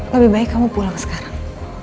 lebih baik kamu pulang sekarang